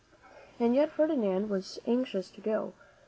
And yet Ferdinand was anxious to go.